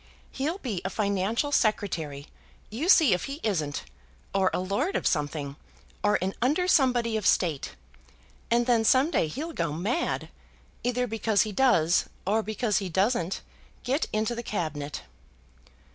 He'll be a financial Secretary; you see if he isn't; or a lord of something, or an under somebody of State; and then some day he'll go mad, either because he does or because he doesn't get into the Cabinet."